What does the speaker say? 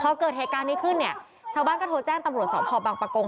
พอเกิดเหตุการณ์นี้ขึ้นเนี่ยชาวบ้านก็โทรแจ้งตำรวจสอบพ่อบังปะกง